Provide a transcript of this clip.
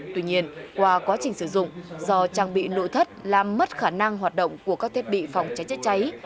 tuy nhiên qua quá trình sử dụng do trang bị nội thất làm mất khả năng hoạt động của các thiết bị phòng cháy chữa cháy